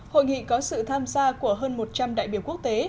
hội nghị có sự tham gia của hơn một trăm linh đại biểu quốc tế